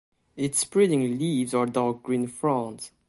Its spreading leaves are dark green fronds.